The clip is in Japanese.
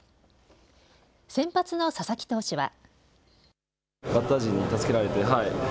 先発の佐々木投手は。